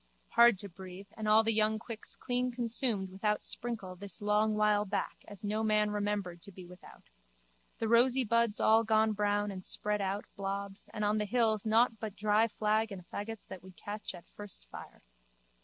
Hard to breathe and all the young quicks clean consumed without sprinkle this long while back as no man remembered to be without. The rosy buds all gone brown and spread out blobs and on the hills nought but dry flag and faggots that would catch at first fire.